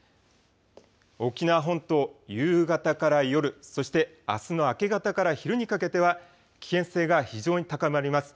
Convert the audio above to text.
沖縄本島、夕方から夜、そしてあすの明け方から昼にかけては危険性が非常に高まります。